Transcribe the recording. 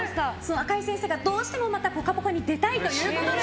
赤井先生がどうしてもまた「ぽかぽか」に出たいということで。